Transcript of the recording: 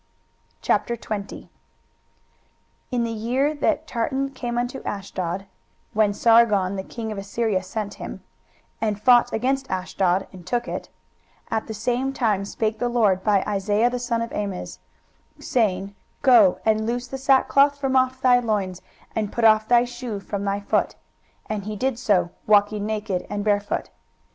23:020:001 In the year that Tartan came unto Ashdod, (when Sargon the king of Assyria sent him,) and fought against Ashdod, and took it; 23:020:002 At the same time spake the LORD by Isaiah the son of Amoz, saying, Go and loose the sackcloth from off thy loins, and put off thy shoe from thy foot. And he did so, walking naked and barefoot.